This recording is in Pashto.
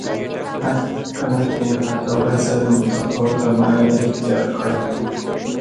حتی کله چې هلته ورسېدل متفاوته بڼه یې اختیار کړه